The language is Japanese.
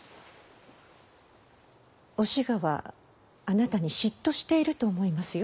お志賀はあなたに嫉妬していると思いますよ。